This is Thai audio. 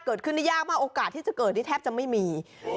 เกิดขึ้นได้ยากมากโอกาสที่จะเกิดนี่แทบจะไม่มี